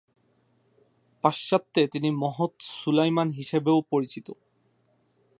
পাশ্চাত্যে তিনি মহৎ সুলাইমান হিসেবেও পরিচিত।